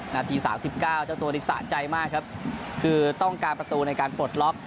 นาที๓๙เจ้าตัวนี้สะใจมากครับคือต้องการประตูในการปลดล็อก